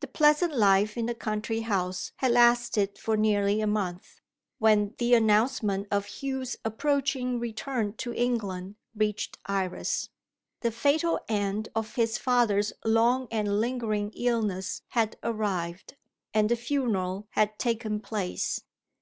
The pleasant life in the country house had lasted for nearly a month, when the announcement of Hugh's approaching return to England reached Iris. The fatal end of his father's long and lingering illness had arrived, and the funeral had taken place.